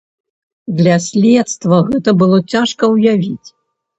Для следства гэта было цяжка ўявіць.